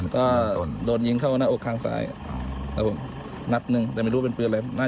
ก็ได้แล้วไม่รู้นะ